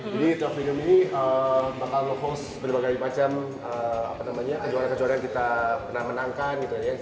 jadi trophy room ini bakal host berbagai macam kejuaraan kejuaraan yang kita menangkan gitu ya